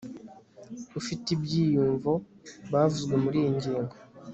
ufite ibyiyumvo bavuzwe muri iyi ngingo